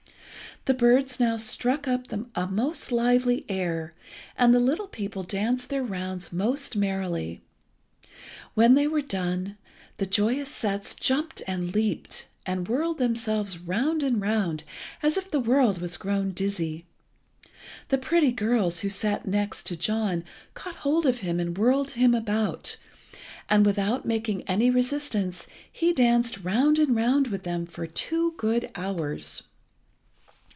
The birds now struck up a most lively air, and the little people danced their rounds most merrily. When they were done, the joyous sets jumped and leaped, and whirled themselves round and round, as if the world was grown dizzy. The pretty girls who sat next John caught hold of him and whirled him about, and, without making any resistance, he danced round and round with them for two good hours.